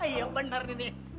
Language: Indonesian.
iya benar nini